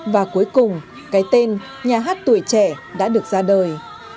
và cuối cùng cái tên nhà hát tuổi trẻ đã được ra đời